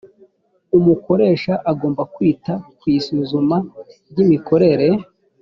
umukoresha agomba kwita ku isuzuma ryimikorere.